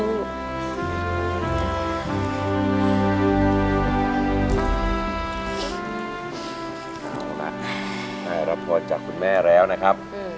เอาล่ะได้รับพรจากคุณแม่แล้วนะครับ